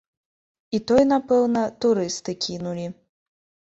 І той, напэўна, турысты кінулі.